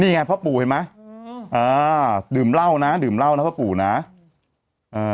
นี่ไงพ่อปู่เห็นไหมอืมอ่าดื่มเหล้านะดื่มเหล้านะพ่อปู่นะเอ่อ